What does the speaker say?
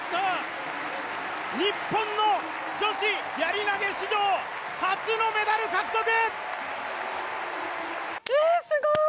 日本の女子やり投史上初のメダル獲得！